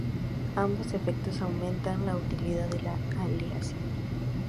Ambos efectos aumentan la utilidad de la aleación.